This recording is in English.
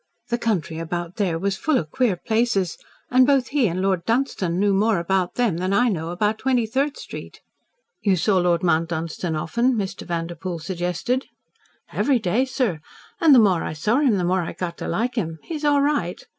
The country about there was full of queer places, and both he and Lord Dunstan knew more about them than I know about Twenty third Street." "You saw Lord Mount Dunstan often?" Mr. Vanderpoel suggested. "Every day, sir. And the more I saw him, the more I got to like him. He's all right.